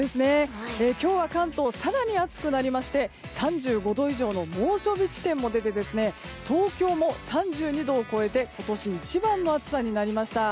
今日は関東更に暑くなりまして３５度以上の猛暑日地点も出て東京も３２度を超えて今年一番の暑さになりました。